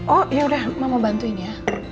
oh yaudah mama bantuin ya